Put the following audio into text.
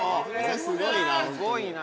すごいな！